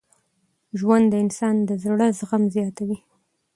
ژوند د انسان د زړه زغم زیاتوي.